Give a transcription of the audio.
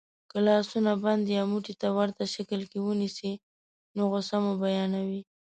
که لاسونه بند یا موټي ته ورته شکل کې ونیسئ نو غسه مو بیانوي.